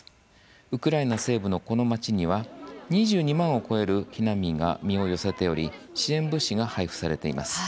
ウクライナ西部のこの町には２２万を超える避難民が身を寄せており支援物資が配布されています。